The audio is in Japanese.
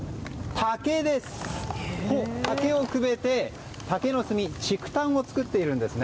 竹をくべて竹の炭竹炭を作っているんですね。